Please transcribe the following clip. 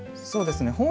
そうですね